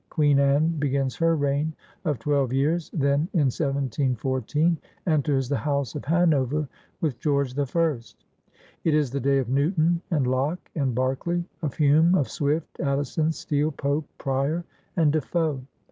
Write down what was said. Queen Anne begins her reign of twelve years. Then, in 1714, enters the House of Hanover with George the First. It is the day of Newton and Locke and Berkeley, of Hume, of Swift, Addison, Steele, Pope, Prior, and Defoe.